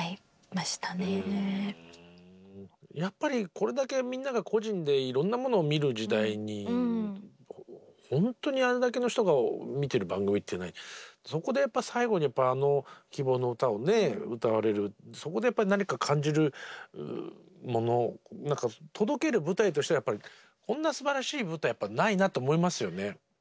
やっぱりこれだけみんなが個人でいろんなものを見る時代にほんとにあれだけの人が見てる番組っていうのはそこで最後にあの「希望のうた」を歌われるそこで何か感じるもの届ける舞台としてはこんなすばらしい舞台ないなと思いますよね。